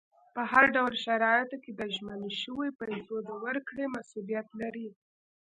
په هر ډول شرایطو کې د ژمنه شویو پیسو د ورکړې مسولیت لري.